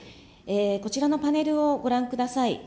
こちらのパネルをご覧ください。